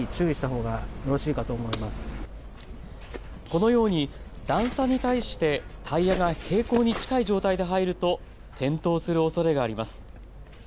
このように段差に対してタイヤが平行近い状態で入ると転倒するおそれがあります。